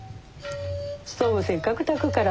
ストーブせっかくたくから。